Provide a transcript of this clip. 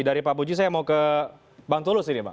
dari pak puji saya mau ke bang tulus ini bang